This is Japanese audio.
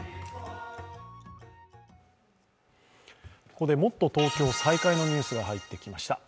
ここでもっとＴｏｋｙｏ再開のニュースが入ってきました。